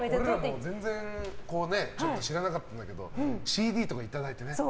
俺ら全然知らなかったんだけどＣＤとかいただいてね。